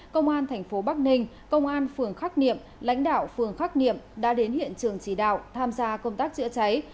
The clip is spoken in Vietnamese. công an thành phố bắc ninh công an phường khắc niệm lãnh đạo phường khắc niệm đã đến hiện trường chỉ đạo tham gia công tác chữa cháy